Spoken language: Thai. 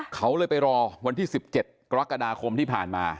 เขาเลยไปรอวันที่๑๗กรกฎาคมที่ผ่านมา